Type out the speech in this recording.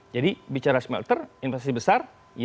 jadi bicara smelter investasi besar